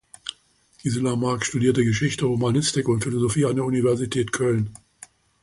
Gisela Marx studierte Geschichte, Romanistik und Philosophie an der Universität Köln.